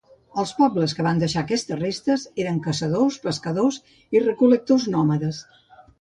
Els pobles que van deixar aquestes restes eren caçadors, pescadors i recol·lectors nòmades.